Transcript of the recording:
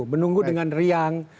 menunggu dengan riang